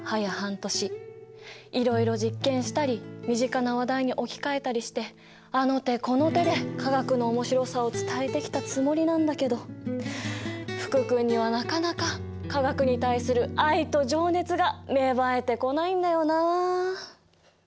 いろいろ実験したり身近な話題に置き換えたりしてあの手この手で化学の面白さを伝えてきたつもりなんだけど福君にはなかなか化学に対する愛と情熱が芽生えてこないんだよな。